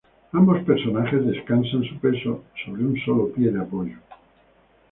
Ambos personajes descansan su peso sobre un sólo pie de apoyo.